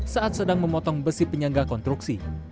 saat sedang memotong besi penyangga konstruksi